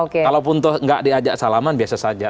kalau pun tidak diajak salaman biasa saja